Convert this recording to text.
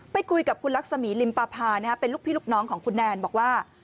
ไปคุยกับคุณลักษมีลิมปภาเป็นลูกพี่ลูกน้องของคุณแนนบอกว่า